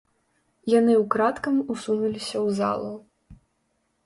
Яны ўкрадкам усунуліся ў залу.